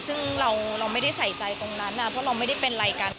ซึ่งเราไม่ได้ใส่ใจตรงนั้นเพราะเราไม่ได้เป็นอะไรกัน